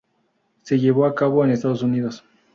Se llevó a cabo en Estados Unidos.